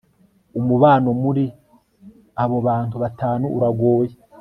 umubano muri abo bantu batanu uragoye